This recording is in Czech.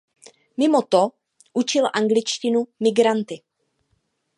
Mimo to učil angličtinu migranty.